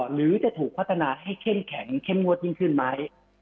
หรือจะถูกพัฒนาให้เข้มแข็งเข้มงวดยิ่งขึ้นไหม